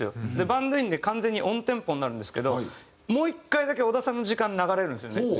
バンドインで完全にオンテンポになるんですけどもう１回だけ小田さんの時間流れるんですよね。